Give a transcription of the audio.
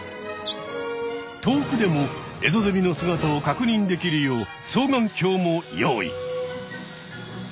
遠くでもエゾゼミの姿をかくにんできるよう双眼鏡も用意。